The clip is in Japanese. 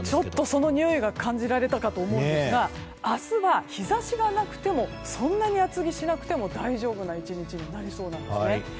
そのにおいが感じられたかと思うんですが明日は日差しがなくてもそんなに厚着しなくても大丈夫な１日になりそうなんですね。